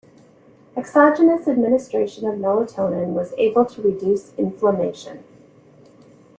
Exogenous administration of melatonin was able to reduce inflammation.